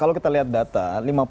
kalau kita lihat data